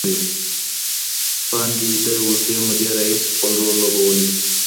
پانګي له اوږدې مودې راهيسې خپل رول لوبولی و.